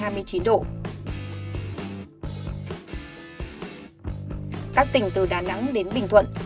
thác tỉnh từ đà nẵng đến bình thuận